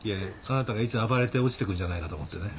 あなたがいつ暴れて落ちてくるんじゃないかと思ってね。